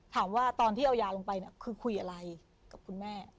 ตอนที่เอายาลงไปเนี่ยคือคุยอะไรกับคุณแม่